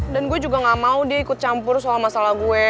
dan gue juga gak mau dia ikut campur soal masalah gue